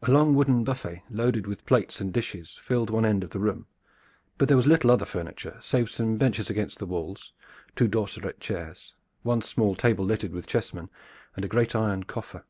A long wooden buffet loaded with plates and dishes filled one end of the room, but there was little other furniture save some benches against the walls, two dorseret chairs, one small table littered with chessmen, and a great iron coffer.